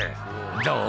「どう？